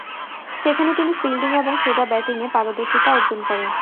সেখানে তিনি ফিল্ডিং এবং সোজা ব্যাটিংয়ে পারদর্শীতা অর্জন করেন।